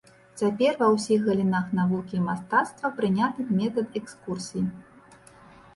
Цяпер ва ўсіх галінах навукі і мастацтва прыняты метад экскурсій.